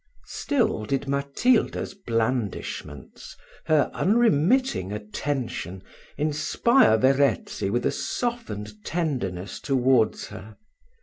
Still did Matilda's blandishments her unremitting attention inspire Verezzi with a softened tenderness towards her.